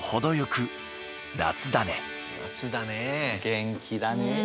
元気だねえ。